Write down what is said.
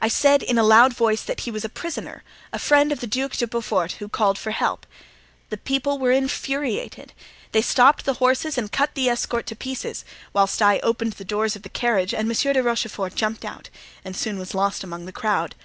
I said in a loud voice that he was a prisoner, a friend of the Duc de Beaufort, who called for help. The people were infuriated; they stopped the horses and cut the escort to pieces, whilst I opened the doors of the carriage and Monsieur de Rochefort jumped out and soon was lost amongst the crowd.